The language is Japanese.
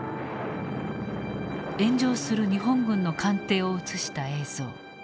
炎上する日本軍の艦艇を写した映像。